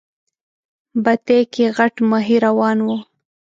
بتۍ کې غټ ماهی روان و.